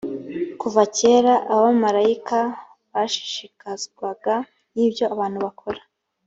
kuva kera abamarayika bashishikazwaga n’ibyo abantu bakora